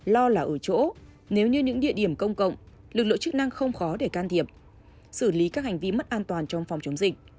lo là ở chỗ nếu như những địa điểm công cộng lực lượng chức năng không khó để can thiệp xử lý các hành vi mất an toàn trong phòng chống dịch